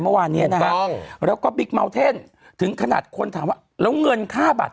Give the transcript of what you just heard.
เมื่อวานเนี้ยนะฮะถูกต้องแล้วก็ถึงขนาดคนถามว่าแล้วเงินค่าบัตร